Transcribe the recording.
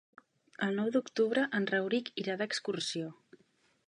El nou d'octubre en Rauric irà d'excursió.